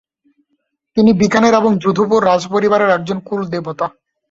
তিনি বিকানের এবং যোধপুর রাজপরিবারের একজন কূল দেবতা।